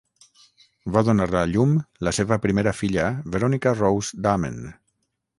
Va donar a llum la seva primera filla Veronica Rose Dahmen.